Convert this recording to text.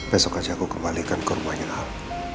besok aja aku kembalikan ke rumahnya ahok